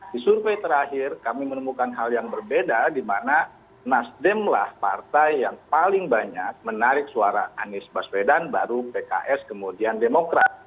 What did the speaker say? di survei terakhir kami menemukan hal yang berbeda di mana nasdem lah partai yang paling banyak menarik suara anies baswedan baru pks kemudian demokrat